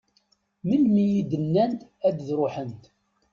Melmi i d-nnant ad d-ruḥent?